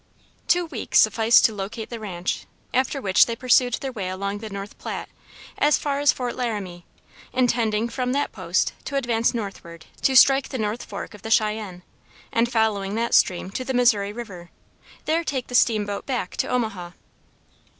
Two weeks sufficed to locate the ranch, after which they pursued their way along the North Platte, as far as Fort Laramie, intending from that post to advance northward to strike the North Fork of the Cheyenne, and following that stream to the Missouri river, there take the steamboat back to Omaha.